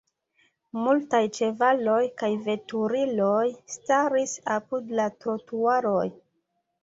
Multaj ĉevaloj kaj veturiloj staris apud la trotuaroj.